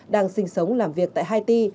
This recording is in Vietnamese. đang sinh sống làm việc tại haiti